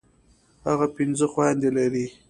هغه پنځه خويندي لري.